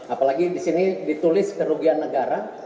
apalagi di sini ditulis kerugian negara